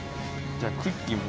じゃあクッキーも。